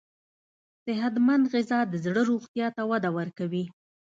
صحتمند غذا د زړه روغتیا ته وده ورکوي.